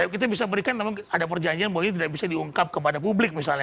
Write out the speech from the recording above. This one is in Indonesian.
kita bisa berikan memang ada perjanjian bahwa ini tidak bisa diungkap kepada publik misalnya